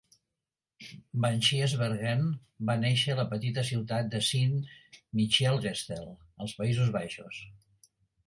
Van Giersbergen va néixer a la petita ciutat de Sint Michielsgestel, als Països Baixos.